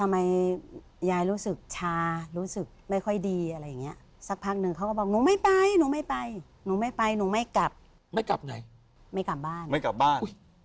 ไม่กลับบ้าน